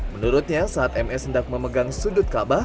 menurutnya saat ms hendak memegang sudut kaabah